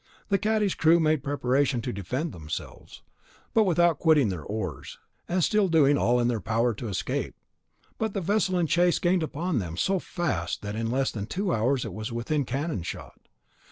The cadi's crew made preparation to defend themselves; but without quitting their oars, and still doing all in their power to escape; but the vessel in chase gained upon them so fast that in less than two hours it was within cannon shot.